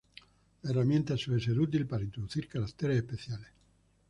La herramienta suele ser útil para introducir caracteres especiales.